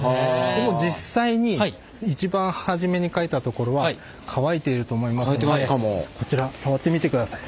実際に一番初めにかいた所は乾いてると思いますのでこちら触ってみてください。